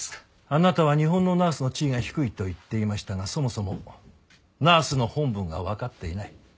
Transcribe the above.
あなたは日本のナースの地位が低いと言っていましたがそもそもナースの本分がわかっていない。